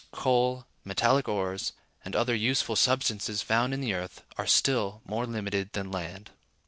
Coal, metallic ores, and other useful substances found in the earth, are still more limited than land.